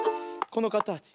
このかたち。